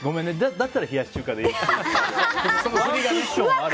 だったら冷やし中華でいいやって。